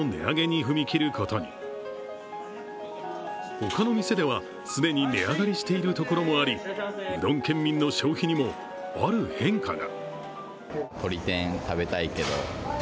他の店では、既に値上がりしているところもありうどん県民の消費にもある変化が。